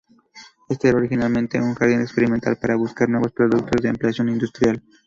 Este era originalmente un jardín experimental para buscar nuevos productos de aplicación industrial.